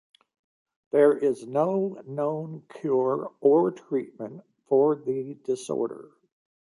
There is no known cure or treatment for the disorder.